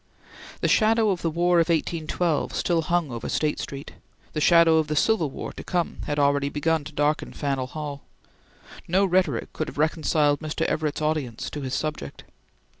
The shadow of the War of 1812 still hung over State Street; the shadow of the Civil War to come had already begun to darken Faneuil Hall. No rhetoric could have reconciled Mr. Everett's audience to his subject.